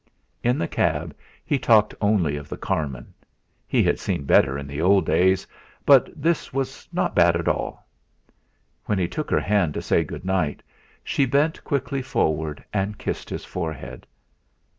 In the cab he talked only of the Carmen; he had seen better in the old days, but this one was not bad at all. When he took her hand to say good night, she bent quickly forward and kissed his forehead.